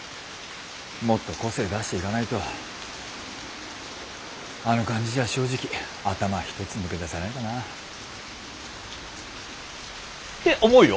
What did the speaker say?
もっと個性出していかないとあの感じじゃ正直頭一つ抜け出せないかな。って思うよ。